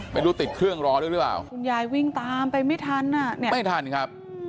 ประาดติดเครื่องรอด้วยหรือว่าวิ่งตามไปไม่ทันนะไม่ทันครับ